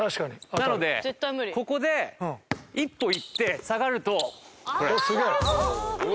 なのでここで一歩行って下がると。あっすげえ。